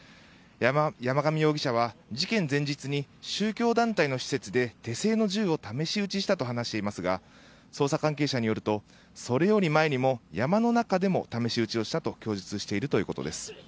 山上容疑者は事件前日に宗教団体の施設で手製の銃を試し撃ちしたと話しますが捜査関係者によりますとそれよりも前にも山の中でも試し撃ちをしたと供述しているということです。